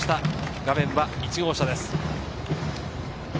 画面は１号車です。